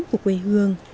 của quê hương